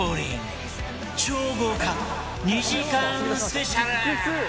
超豪華２時間スペシャル！